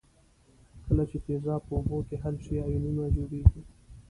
کله چې تیزاب په اوبو کې حل شي آیونونه جوړیږي.